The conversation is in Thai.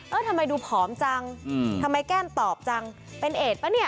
ทำไมดูผอมจังทำไมแก้มตอบจังเป็นเอดปะเนี่ย